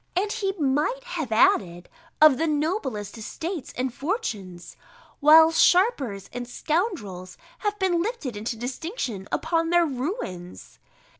And, he might have added, of the noblest estates and fortunes; while sharpers and scoundrels have been lifted into distinction upon their ruins.